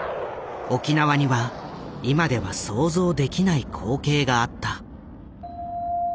沖縄には今では想像できない光景があった。